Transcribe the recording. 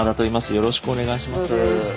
よろしくお願いします。